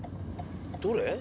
どれ？